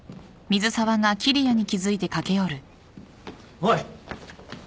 おい。